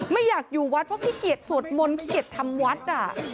ไม่อยากอยู่วัดเพราะขี้เกียจสวดมนต์ขี้เกียจทำวัดอ่ะ